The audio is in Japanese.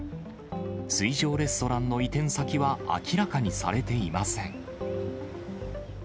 水上レストランの移転先は明らかにされていません。